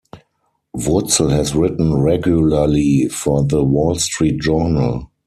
Wurtzel has written regularly for The Wall Street Journal.